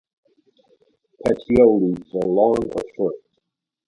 Petioles are long or short.